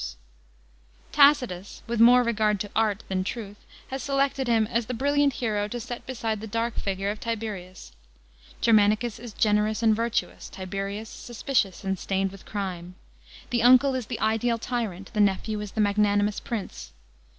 16 A.D. LIBO DRUSUS. 181 Tacitus, with more regard to art than truth, has selected him as the brilliant hero to set beside the dark figure of Tiberius. Germanicus is generous and virtuous; Tiberius suspicious and stained with crime. The uncle is the ideal tyrant, the nephew is the magnanimous prince.